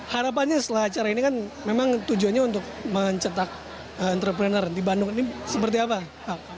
harapannya setelah acara ini kan memang tujuannya untuk mencetak entrepreneur di bandung ini seperti apa